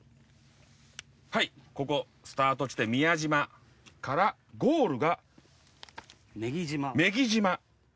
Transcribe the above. はいここスタート地点宮島からゴールが女木島。